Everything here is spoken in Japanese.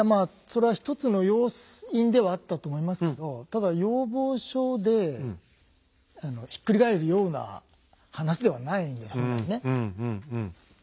それは一つの要因ではあったと思いますけどただ要望書でひっくり返るような話ではないんです本来ね。